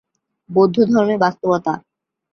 বৌদ্ধধর্মে বাস্তবতা